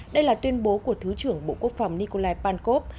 đây là tuyên bố của thứ trưởng bộ quốc phòng nikolai pankov